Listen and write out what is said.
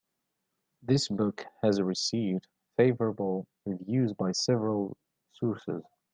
This book has received favorable reviews by several sources.